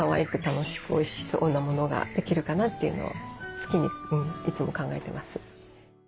好きにいつも考えてます。